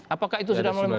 apakah itu sudah memiliki